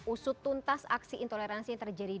usut tuntas aksi intoleransi yang terjadi